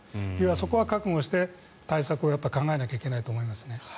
そこは覚悟して対策を考えなきゃいけないと思いますね。